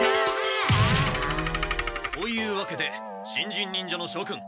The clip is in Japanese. というわけで新人忍者のしょくん！